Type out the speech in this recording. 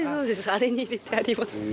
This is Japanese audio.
あれに入れてあります。